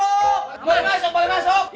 boleh masuk boleh masuk